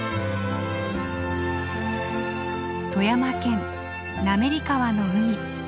富山県滑川の海。